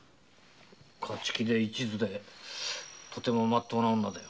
勝ち気で一途でとてもまっとうな女だよ。